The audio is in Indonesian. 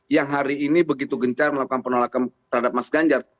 yang hari ini begitu gencar melakukan penolakan terhadap mas ganjar